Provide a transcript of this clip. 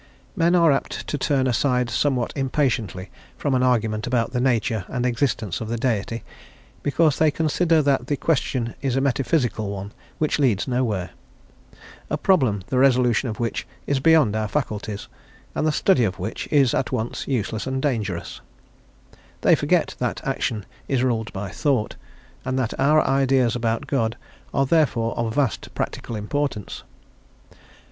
Men are apt to turn aside somewhat impatiently from an argument about the Nature and Existence of the Deity, because they consider that the question is a metaphysical one which leads nowhere; a problem the resolution of which is beyond our faculties, and the study of which is at once useless and dangerous; they forget that action is ruled by thought, and that our ideas about God are therefore of vast practical importance.